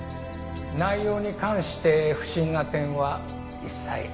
内容に関して不審な点は一切ありません。